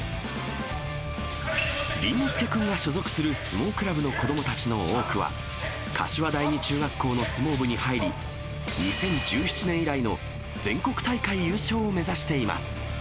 倫之亮君が所属する相撲クラブの子どもたちの多くは、柏第二中学校の相撲部に入り、２０１７年以来の、全国大会優勝を目指しています。